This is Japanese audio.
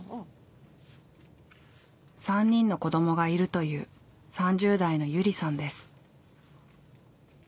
３人の子どもがいるという３０代のゆりさんです。